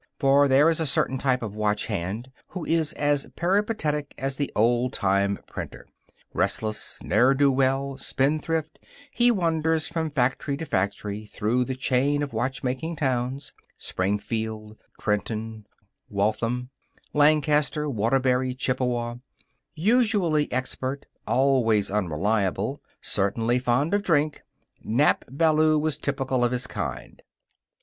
For there is a certain type of watch hand who is as peripatetic as the old time printer. Restless, ne'er do well, spendthrift, he wanders from factory to factory through the chain of watchmaking towns: Springfield, Trenton, Waltham, Lancaster, Waterbury, Chippewa. Usually expert, always unreliable, certainly fond of drink, Nap Ballou was typical of his kind.